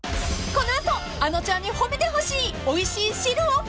［この後あのちゃんに褒めてほしいおいしい汁を考えよう］